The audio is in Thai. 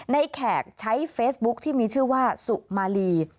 แขกใช้เฟซบุ๊คที่มีชื่อว่าสุมาลี